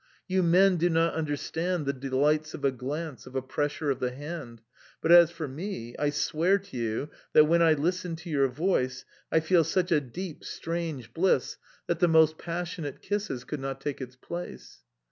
You men do not understand the delights of a glance, of a pressure of the hand... but as for me, I swear to you that, when I listen to your voice, I feel such a deep, strange bliss that the most passionate kisses could not take its place."